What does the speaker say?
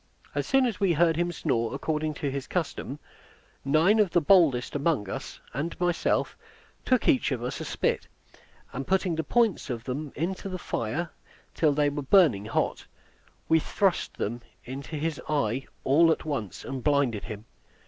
As soon as we heard him snore according to his custom, nine of the boldest among us, and myself, took each of us a spit, and putting the points of them into his fire till they were burning hot, we thrust them into his eye all at once, and blinded him.